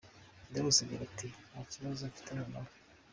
Dious agira ati "Nta kibazo mfitaniye nawe".